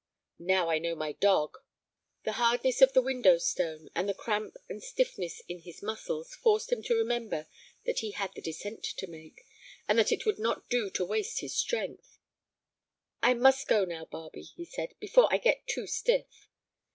"Now I know my dog." The hardness of the window stone, and the cramp and stiffness in his muscles, forced him to remember that he had the descent to make, and that it would not do to waste his strength. "I must go now, Barbe," he said, "before I get too stiff."